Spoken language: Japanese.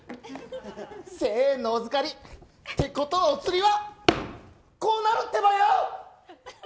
１０００円のお預かり！ってことはおつりはこうなるってばよ！